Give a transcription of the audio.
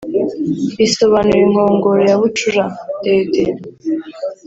risobanura inkongoro ya bucura “Dede”